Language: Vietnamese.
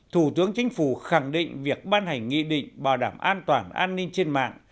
thủ tướng chính phủ khẳng định việc ban hành nghị định bảo đảm an toàn an ninh trên mạng